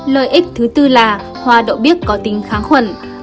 lợi ích thứ bốn là hoa đậu biếc có tính kháng khuẩn